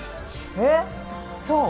えーそう？